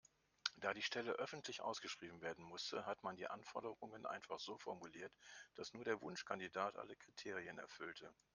Da die Stelle öffentlich ausgeschrieben werden musste, hat man die Anforderungen einfach so formuliert, dass nur der Wunschkandidat alle Kriterien erfüllte.